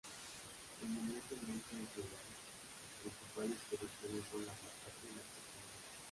Eminentemente rural, sus principales producciones son la patata y las castañas.